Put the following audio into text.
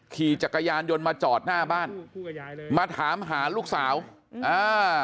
ขี่จักรยานยนต์มาจอดหน้าบ้านมาถามหาลูกสาวอ่า